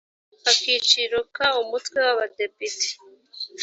akiciro ka umutwe w abadepite